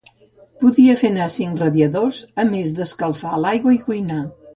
Podia fer anar cinc radiadors, a més d'escalfar l'aigua i cuinar.